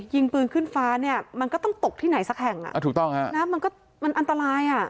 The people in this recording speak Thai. ยิงปืนขึ้นฟ้าเนี่ยมันก็ต้องตกที่ไหนสักแห่งอ่ะถูกต้องฮะนะมันก็มันอันตรายอ่ะ